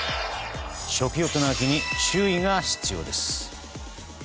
食欲の秋に注意が必要です。